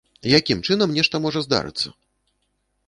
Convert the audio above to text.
Якім чынам нешта можа здарыцца?